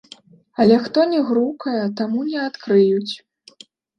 Але хто не грукае, таму не адкрыюць.